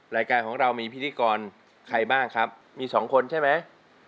รายการของเรามีพิธีกรใครบ้างครับมีสองคนใช่ไหม